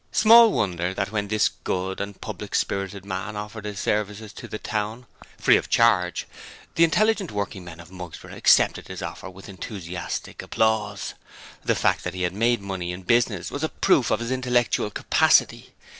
Small wonder that when this good and public spirited man offered his services to the town free of charge the intelligent working men of Mugsborough accepted his offer with enthusiastic applause. The fact that he had made money in business was a proof of his intellectual capacity.